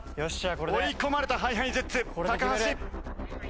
追い込まれたＨｉＨｉＪｅｔｓ橋！